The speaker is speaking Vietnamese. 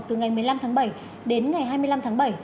từ ngày một mươi năm tháng bảy đến ngày hai mươi năm tháng bảy